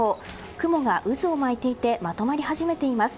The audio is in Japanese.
雲が渦を巻いていてまとまり始めています。